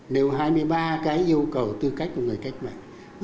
nêu hai mươi ba cái yêu cầu tư cách của người cách mạng